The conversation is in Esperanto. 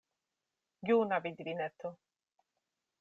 Juna vidvineto!